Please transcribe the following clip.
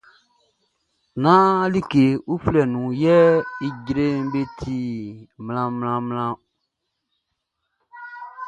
Nán lika uflɛ nun yɛ ijreʼn ti mlanmlanmlan ɔn.